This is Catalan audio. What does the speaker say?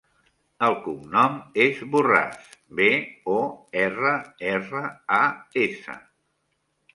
El cognom és Borras: be, o, erra, erra, a, essa.